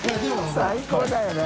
最高だよね。